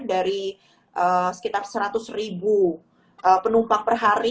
dari sekitar seratus ribu penumpang per hari